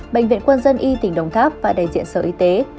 bệnh viện quân dân y tỉnh đồng tháp và đại diện sở y tế